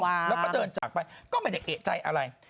แล้วก็เดินจากไปก็ไม่ได้เอกใจอะไร